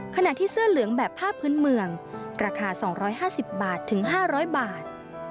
ขณะที่เสื้อเหลืองแบบผ้าพื้นเมืองราคา๒๕๐บาทถึง๕๐๐บาท